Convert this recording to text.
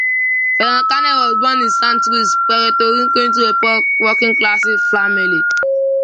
Ferrer Canales was born in Santurce, Puerto Rico into a poor working-class family.